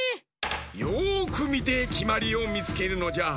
よくみてきまりをみつけるのじゃ。